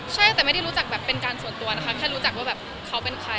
ใช่แต่ไม่ได้รู้จักแบบเป็นการส่วนตัวนะคะแค่รู้จักว่าแบบเขาเป็นใคร